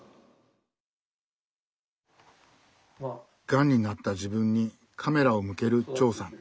がんになった自分にカメラを向ける長さん。